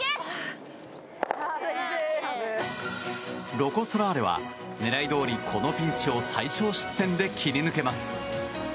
ロコ・ソラーレは狙いどおりこのピンチを最少失点で切り抜けます。